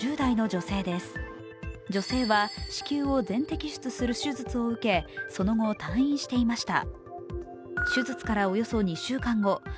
女性は子宮を全摘出する手術を受けその後、退院していました。